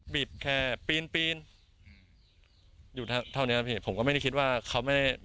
บีบแค่ปีนปีนอืมอยู่เท่านี้พี่ผมก็ไม่ได้คิดว่าเขาไม่ได้